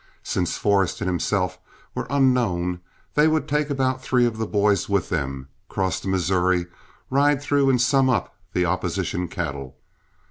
Since Forrest and himself were unknown, they would take about three of the boys with them, cross the Missouri, ride through and sum up the opposition cattle.